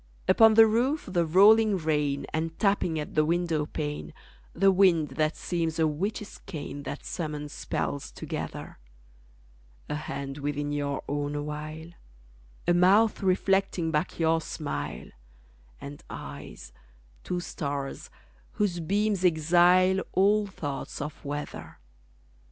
Upon the roof the rolling rain, And tapping at the window pane, The wind that seems a witch's cane That summons spells together: A hand within your own awhile; A mouth reflecting back your smile; And eyes, two stars, whose beams exile All thoughts of weather.